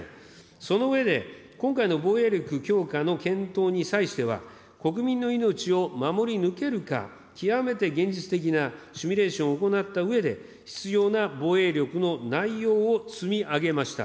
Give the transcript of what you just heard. その上で、今回の防衛力強化の検討に際しては、国民の命を守り抜けるか、極めて現実的なシミュレーションを行ったうえで、必要な防衛力の内容を積み上げました。